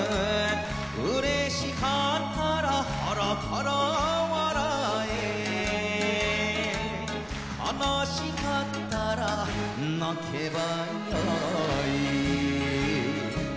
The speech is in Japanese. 「嬉しかったら腹から笑え」「悲しかったら泣けばよい」